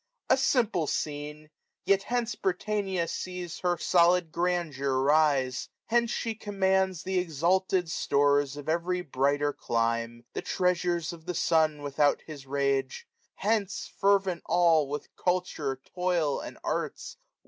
A siMPLB scene ! yet hence Britannia zees Her solid grandeur rise : hence she commands Th' exalted jtores of every brighter clime, 425 The treasures of the Sun without his rage : Hence, fervent all, with culture, toil, and arts.